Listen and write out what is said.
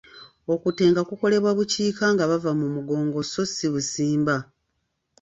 Okutenga kukolebwa bukiika nga bava mu mugongo sso si busimba.